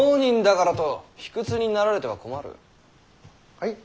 はい？